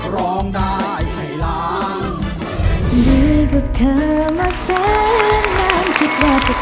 ร้องได้ให้ร้าง